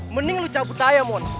mending lo cabut aja mon